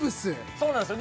そうなんですよ